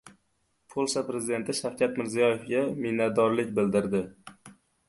Polsha prezidenti Shavkat Mirziyoyevga minnatdorlik bildirdi